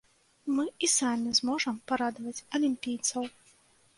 Мы і самі зможам парадаваць алімпійцаў!